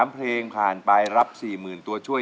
เพลงผ่านไปรับ๔๐๐๐ตัวช่วย